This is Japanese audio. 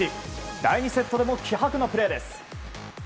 第２セットでも気迫のプレーです。